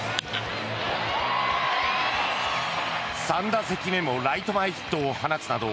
３打席目もライト前ヒットを放つなど